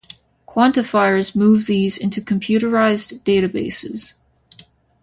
Quantifiers move these into computerized databases.